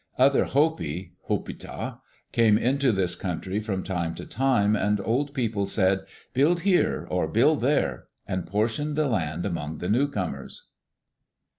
Other Hopi (Hopituh) came into this country from time to time and old people said, "Build here," or "Build there," and portioned the land among the newcomers.